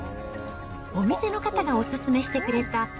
お店の方がお勧めしてくれた、